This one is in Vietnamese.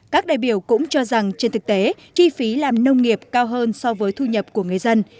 các đại biểu cũng cho rằng trên thực tế chi phí làm nông nghiệp cao hơn so với thu nhập của người dân